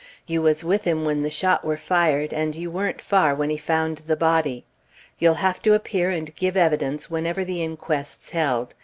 "You was with him when the shot were fired, and you warn't far when he found the body. You'll have to appear and give evidence whenever the inquest's held.